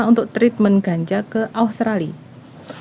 untuk treatment ganja ke australia